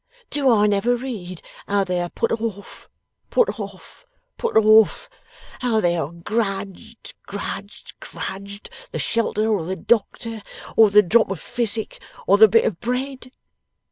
Do I never read how they are put off, put off, put off how they are grudged, grudged, grudged, the shelter, or the doctor, or the drop of physic, or the bit of bread?